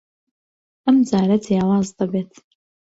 ئەم جارە جیاواز دەبێت.